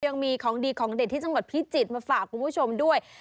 ยังมีของดีของเด็ดที่จังหวัดพิจิตรมาฝากคุณผู้ชมด้วย